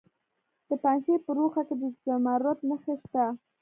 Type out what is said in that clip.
د پنجشیر په روخه کې د زمرد نښې شته.